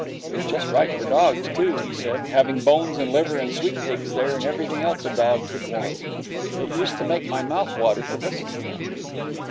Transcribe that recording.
It was just right for dogs, too, he said, having bones and liver and sweet cakes there and everything else a dog could want. It used to make my mouth water to listen to him.